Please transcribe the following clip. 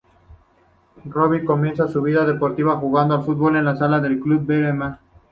Robinho comenzó su vida deportiva jugando al fútbol sala en el club Beira-Mar.